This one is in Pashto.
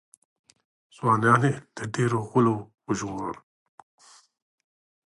ځوانان یې له ډېرو غولو وژغورل.